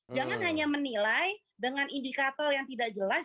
jangan hanya menilai dengan indikator yang tidak jelas